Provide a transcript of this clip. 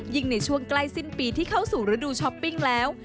ในช่วงใกล้สิ้นปีที่เข้าสู่ฤดูช้อปปิ้งแล้ว